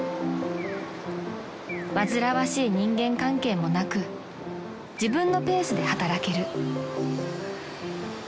［煩わしい人間関係もなく自分のペースで働ける］